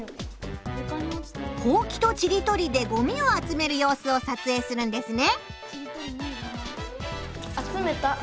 ほうきとちりとりでごみを集める様子を撮影するんですね。